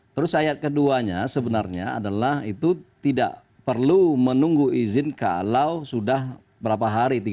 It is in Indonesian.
terus ayat keduanya sebenarnya adalah itu tidak perlu menunggu izin kalau sudah berapa hari